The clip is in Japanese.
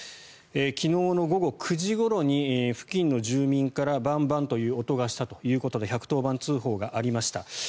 昨日の午後９時ごろに付近の住民からバンバンという音がしたということで１１０番通報がありました。